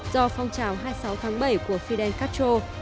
do phong trào hai mươi sáu tháng bảy của fidel castro